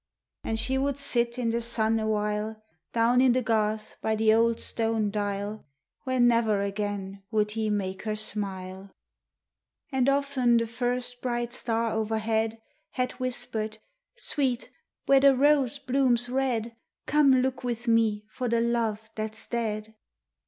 And she would sit in the sun a while, Down in the garth by the old stone dial, Where never again would he make her smile. And often the first bright star o'erhead Had whispered, "Sweet, where the rose blooms red, Come look with me for the love that's dead."